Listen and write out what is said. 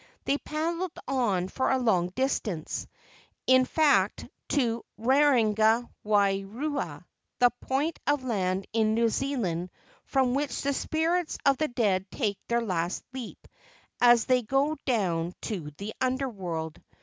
They paddled on for a long distance, in fact to Rerenga wai rua, the point of land in New Zealand from which the spirits of the dead take their last leap as they go down to the Under world.